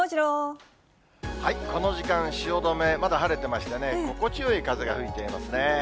この時間、汐留、まだ晴れてましてね、心地よい風が吹いていますね。